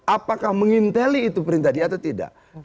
apakah menginteli itu perintah dia atau tidak